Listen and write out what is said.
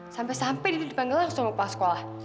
sampai sampai dia dipanggil langsung pak sekolah